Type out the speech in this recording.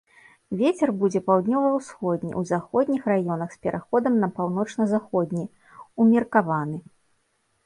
Вецер будзе паўднёва-ўсходні, у заходніх раёнах з пераходам на паўночна-заходні, умеркаваны.